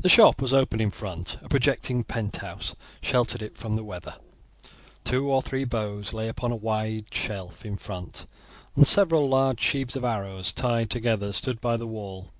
The shop was open in front, a projecting penthouse sheltered it from the weather; two or three bows lay upon a wide shelf in front, and several large sheaves of arrows tied together stood by the wall.